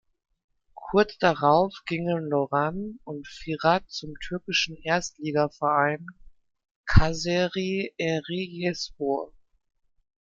Kurz darauf gingen Lorant und Fırat zum türkischen Erstligaverein Kayseri Erciyesspor.